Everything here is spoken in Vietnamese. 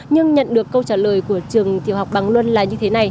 nhưng nhận được câu trả lời của trường tiểu học bằng luân là như thế này